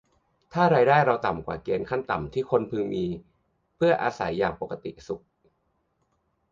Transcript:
ถ้ารายได้เราต่ำกว่าเกณฑ์ขั้นต่ำที่คนพึงมีเพื่ออาศัยอย่างปกติสุข